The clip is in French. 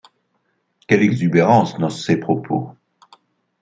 Quel exubérance dans ces propos.